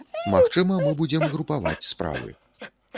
Магчыма, мы будзем групаваць справы.